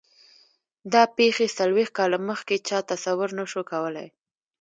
دا پېښې څلوېښت کاله مخکې چا تصور نه شو کولای.